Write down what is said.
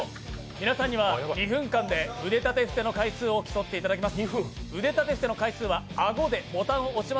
皆さんには２分間で腕立て伏せの回数を競っていただきます。